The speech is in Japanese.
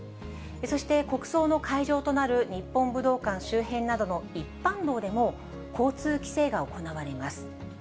そして国葬の会場となる日本武道館周辺などの一般道でも、交通規制が行われます。